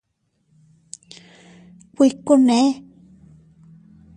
¿Kuikune?